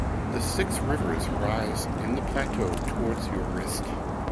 The six rivers rise in the plateau towards your wrist.